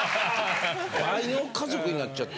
倍の家族になっちゃって。